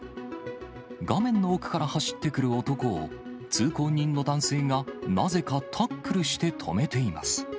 画面の奥から走ってくる男を、通行人の男性がなぜかタックルして止めています。